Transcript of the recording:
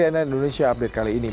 cnn indonesia update kali ini